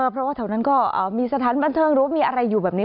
เพราะว่าแถวนั้นก็มีสถานบันเทิงหรือมีอะไรอยู่แบบนี้